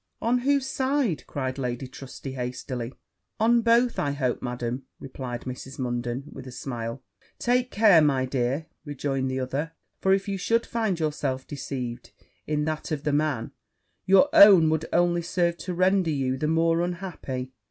'On whose side?' cried Lady Trusty hastily. 'On both, I hope, Madam!' replied Mrs. Munden with a smile. 'Take care, my dear,' rejoined the other; 'for if you should find yourself deceived in that of the man, your own would only serve to render you the more unhappy.'